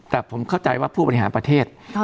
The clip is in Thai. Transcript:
แต่ผมเข้าใจว่าผู้บริหารประเทศ